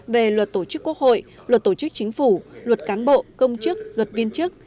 về luật tổ chức quốc hội luật tổ chức chính phủ luật cán bộ công chức luật viên chức